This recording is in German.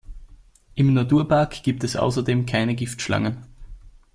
Im Naturpark gibt es außerdem keine Giftschlangen.